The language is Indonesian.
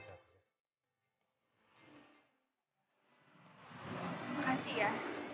terima kasih ya